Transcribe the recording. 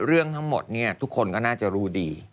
เรื่องทั้งหมดทุกคนก็น่าจะรู้ดี